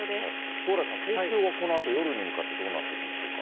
蓬莱さん、東京はこのあと夜に向かってどうなっていくんでしょうか。